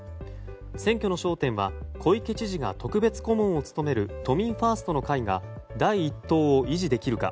選挙の焦点は小池知事が特別顧問を務める都民ファーストの会が第１党を維持できるか。